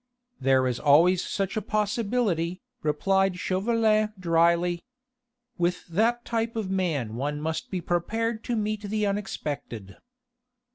"There is always such a possibility," replied Chauvelin drily. "With that type of man one must be prepared to meet the unexpected."